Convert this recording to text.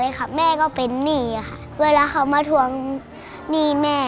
รายการต่อไปนี้เป็นรายการทั่วไปสามารถรับชมได้ทุกวัย